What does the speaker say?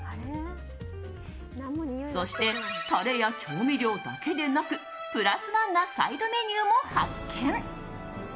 そして、タレや調味料だけでなくプラスワンなサイドメニューも発見。